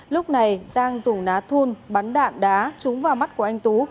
lúc này giang dùng ná thun bắn đạn đá trúng vào mắt của anh tú